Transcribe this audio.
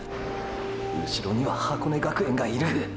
うしろには箱根学園がいる！！